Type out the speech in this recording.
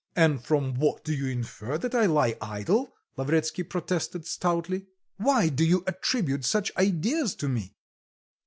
'" "And from what do you infer that I lie idle?" Lavretsky protested stoutly. "Why do you attribute such ideas to me?"